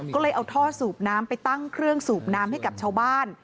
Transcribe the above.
ก็เลยเอาท่อสูบน้ำไปตั้งเครื่องสูบน้ำให้กับชาวบ้าน